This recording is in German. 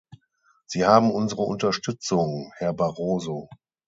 Sie haben unsere Unterstützung, Herr Barroso.